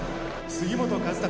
杉本和隆